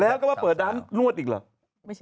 แล้วก็มาเปิดร้านนวดอีกเหรอ